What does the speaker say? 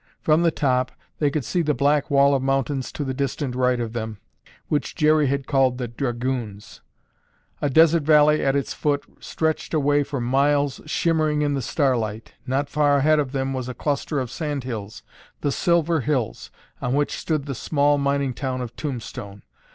From the top, they could see the black wall of mountains to the distant right of them, which Jerry had called "The Dragoons." A desert valley at its foot stretched away for many miles shimmering in the starlight. Not far ahead of them was a cluster of sand hills—"the silver hills"—on which stood the small mining town of Tombstone.